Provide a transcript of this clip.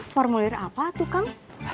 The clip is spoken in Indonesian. formulir apa tuh kang